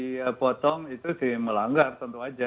gaji yang dipotong itu dimelanggar tentu saja